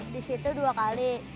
di situ dua kali